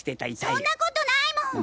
そんなコトないもん！